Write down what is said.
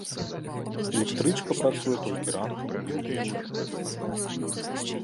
Электрычка працуе толькі ранкам і ўвечары.